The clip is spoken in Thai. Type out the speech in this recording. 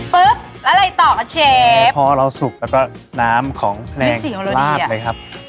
ปุ๊บแล้วอะไรต่อคะเชฟพอเราสุกแล้วก็น้ำของทะเลราดเลยครับ